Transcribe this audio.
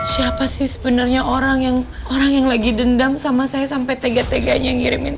siapa sih sebenarnya orang yang orang yang lagi dendam sama saya sampai tega teganya ngirimin